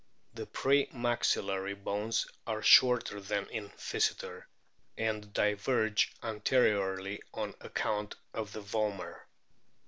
The pre maxillary bones are shorter than in Physeter, and diverge an teriorly on account of the vomer.